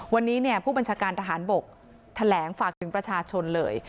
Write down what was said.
วันนี้ผู้บัญชาการทหารบกแถลงฝากถึงประชาชนเลย